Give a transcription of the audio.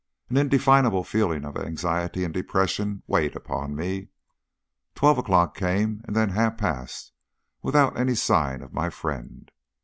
An indefinable feeling of anxiety and depression weighed upon me. Twelve o'clock came, and then half past, without any sign of my friend.